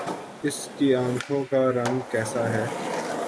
اس کی آنکھوں کا رنگ کیسا ہے